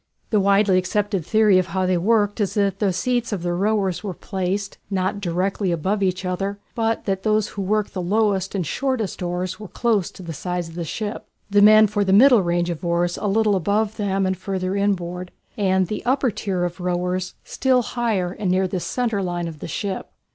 The widely accepted theory of how they were worked is that the seats of the rowers were placed, not directly above each other, but that those who worked the lowest and shortest oars were close to the side of the ship, the men for the middle range of oars a little above them and further inboard, and the upper tier of rowers still higher and near the centre line of the ship.